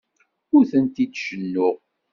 Ur tent-id-cennuɣ.